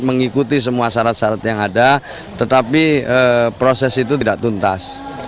mengikuti semua syarat syarat yang ada tetapi proses itu tidak tuntas